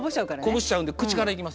こぼしちゃうんで口から行きます。